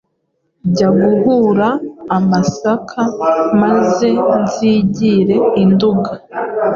jya guhura amasaka maze nzigire i nduga